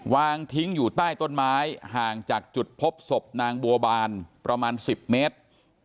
วางทิ้งอยู่ใต้ต้นไม้ห่างจากจุดพบศพนางบัวบานประมาณ๑๐เมตร